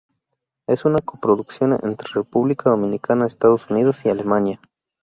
Es una coproducción entre República Dominicana, Estados Unidos y Alemania.